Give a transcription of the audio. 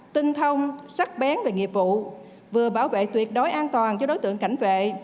tinh thông sắc bén về nghiệp vụ vừa bảo vệ tuyệt đối an toàn cho đối tượng cảnh vệ